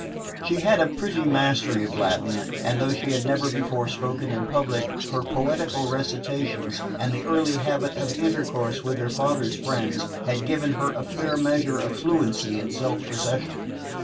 She had a pretty mastery of Latin, and though she had never before spoken in public, her poetical recitations, and the early habit of intercourse with her father's friends, had given her a fair measure of fluency and self possession.